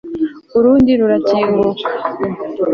urundi rurakinguka